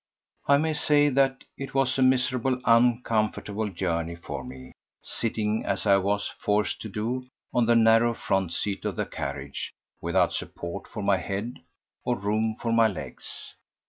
I may say that it was a miserably uncomfortable journey for me, sitting, as I was forced to do, on the narrow front seat of the carriage, without support for my head or room for my legs.